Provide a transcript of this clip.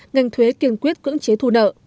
ngành thuế kiên quyết cưỡng chế thu nợ